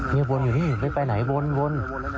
นี่บนอยู่นี่ไปไปไหนบนบน